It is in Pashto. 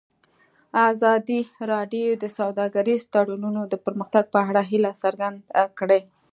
ازادي راډیو د سوداګریز تړونونه د پرمختګ په اړه هیله څرګنده کړې.